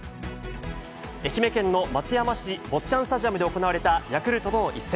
愛媛県の松山市坊ちゃんスタジアムで行われたヤクルトとの一戦。